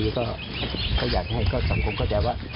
ถ้าอยากให้สรรคบเข้าใจว่า